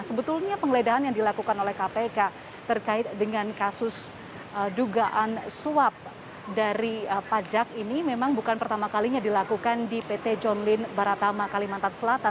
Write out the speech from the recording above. sebetulnya penggeledahan yang dilakukan oleh kpk terkait dengan kasus dugaan suap dari pajak ini memang bukan pertama kalinya dilakukan di pt john lyn baratama kalimantan selatan